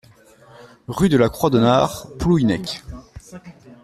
Rue de la Croix-Donnart, Plouhinec